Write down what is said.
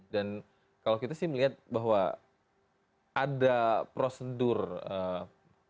dan kalau kita sih melihat bahwa ada prosedur penggunaan timbuk